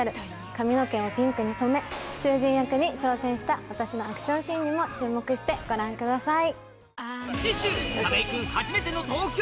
髪の毛をピンクに染め囚人役に挑戦した私のアクションシーンにも注目してご覧ください。